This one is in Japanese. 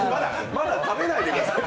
まだ食べないでください。